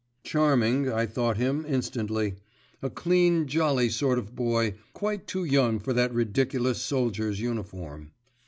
Charming, I thought him, instantly; a clean, jolly sort of boy, quite too young for that ridiculous soldier's uniform.